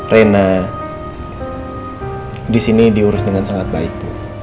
reina di sini diurus dengan sangat baik bu